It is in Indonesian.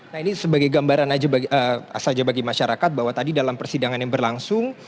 nah ini sebagai gambaran saja bagi masyarakat bahwa tadi dalam persidangan yang berlangsung